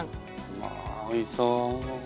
うわおいしそう。